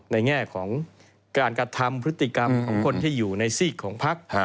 แง่ของการกระทำพฤติกรรมของคนที่อยู่ในซีกของพัก